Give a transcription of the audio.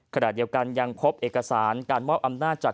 ขณะเดียวกันยังพบเอกสารการมอบอำนาจจาก